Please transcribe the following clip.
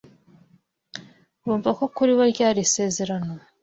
Bumva kuri bo ryari isezerano